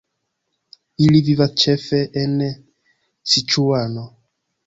Ili vivas ĉefe en Siĉuano.